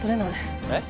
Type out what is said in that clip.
えっ？